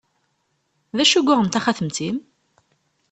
D acu i yuɣen taxatemt-im?